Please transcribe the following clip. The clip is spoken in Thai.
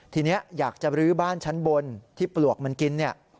ทีนี้อยากจะบรื้อบ้านชั้นบนที่ปลวกมันกินเนี่ย